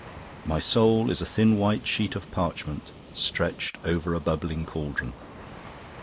"My soul is a thin white sheet of parchment stretched Over a bubbling cauldron."